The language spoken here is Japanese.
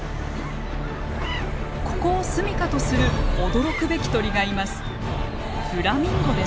ここを住みかとする驚くべき鳥がいます。